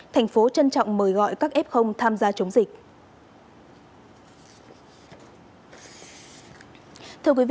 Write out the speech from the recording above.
tp hcm trân trọng mời gọi các f tham gia chống dịch